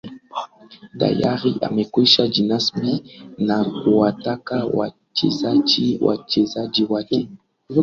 tayari amekwisha jinasb na kuwataka wachezaji wa wachezaji wake